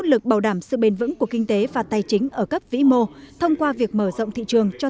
lực bảo đảm sự bền vững của kinh tế và tài chính ở cấp vĩ mô thông qua việc mở rộng thị trường cho